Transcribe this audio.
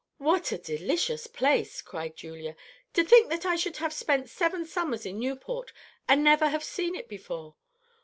"What a delicious place!" cried Julia; "to think that I should have spent seven summers in Newport and never have seen it before!